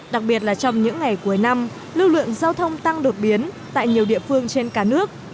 đặc biệt là trong những ngày cuối năm lưu lượng giao thông tăng đột biến tại nhiều địa phương trên cả nước